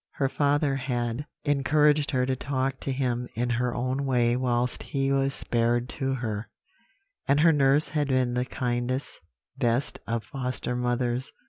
Her father had encouraged her to talk to him in her own way whilst he was spared to her; and her nurse had been the kindest, best of foster mothers.